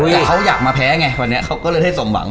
คือเขาอยากมาแพ้ไงวันนี้เขาก็เลยให้สมหวัง